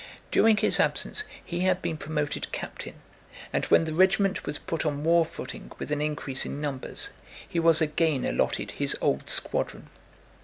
During his absence he had been promoted captain, and when the regiment was put on war footing with an increase in numbers, he was again allotted his old squadron.